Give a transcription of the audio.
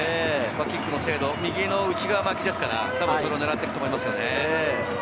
キックの精度は内側巻ですから、たぶんそれを狙っていると思いますね。